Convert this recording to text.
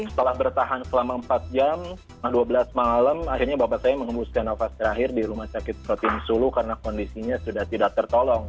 setelah bertahan selama empat jam dua belas malam akhirnya bapak saya mengembuskan nafas terakhir di rumah sakit protin sulu karena kondisinya sudah tidak tertolong